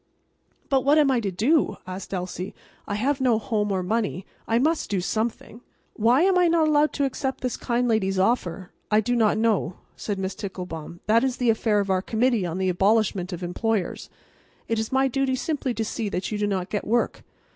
"But what am I to do?" asked Elsie. "I have no home or money. I must do something. Why am I not allowed to accept this kind lady's offer?" "I do not know," said Miss Ticklebaum. "That is the affair of our Committee on the Abolishment of Employers. It is my duty simply to see that you do not get work.